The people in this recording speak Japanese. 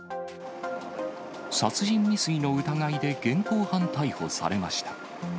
殺人未遂の疑いで現行犯逮捕されました。